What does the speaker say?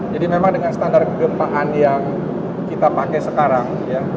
jadi memang dengan standar gempaan yang kita pakai sekarang ya